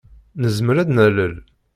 Nezmer ad d-nalel.